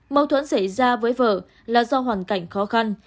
mâu thuẫn xảy ra với vợ là do hoàn cảnh khó khăn